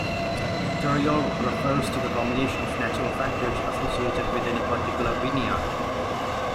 Terroir refers to the combination of natural factors associated with any particular vineyard.